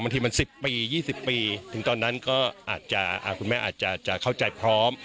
บางทีมัน๑๐ปี๒๐ปีถึงตอนนั้นก็อาจจะคุณแม่อาจจะเข้าใจพร้อม